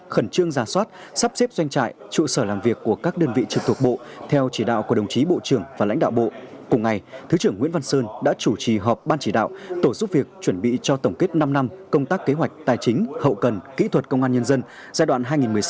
khẩn trương giả soát sắp xếp doanh trại trụ sở làm việc của các đơn vị trực thuộc bộ theo chỉ đạo của đồng chí bộ trưởng và lãnh đạo bộ cùng ngày thứ trưởng nguyễn văn sơn đã chủ trì họp ban chỉ đạo tổ giúp việc chuẩn bị cho tổng kết năm năm công tác kế hoạch tài chính hậu cần kỹ thuật công an nhân dân giai đoạn hai nghìn một mươi sáu hai nghìn hai mươi